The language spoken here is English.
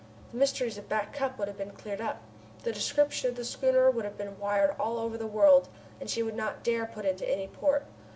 The mysteries of Back Cup would have been cleared up. The description of the schooner would have been wired all over the world, and she would not dare to put into any port.